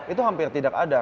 itu hampir tidak ada